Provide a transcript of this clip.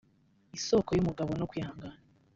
isoko y’ubugabo no kwihangana